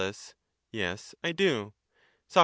Yes, I do. Soc.